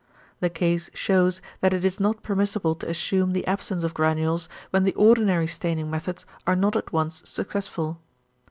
The case shews that it is not permissible to assume the absence of granules, when the ordinary staining methods are not at once successful.